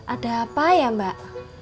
ada apa ya mbak